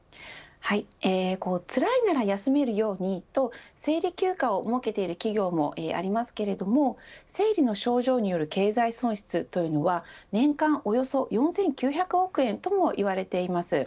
つらいなら休めるようにと生理休暇を設けている企業もありますけれども生理の症状による経済損失というのは年間およそ４９００億円ともいわれています。